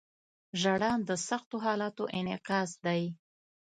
• ژړا د سختو حالاتو انعکاس دی.